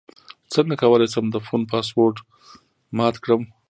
څنګه کولی شم د فون پاسورډ مات کړم